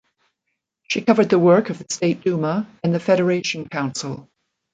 She covered the work of the State Duma and the Federation Council.